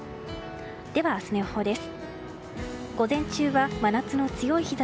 では、明日の予報です。